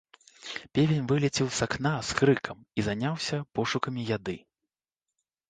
Певень вылецеў з акна з крыкам і заняўся пошукамі яды.